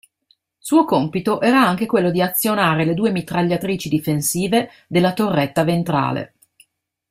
Suo compito era anche quello di azionare le due mitragliatrici difensive della torretta ventrale.